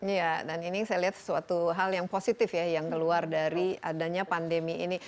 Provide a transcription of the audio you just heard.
iya dan ini saya lihat sesuatu hal yang positif ya yang keluar dari adanya pandemi ini